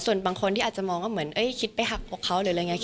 ส่วนบางคนที่อาจจะมองว่าเหมือนคิดไปหักอกเขาหรืออะไรอย่างนี้